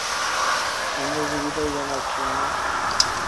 বান্ধবীকে বিদায় জানাও, টিয়ানা।